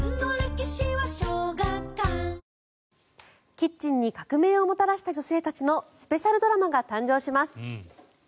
キッチンに革命をもたらした女性たちのスペシャルドラマが誕生します！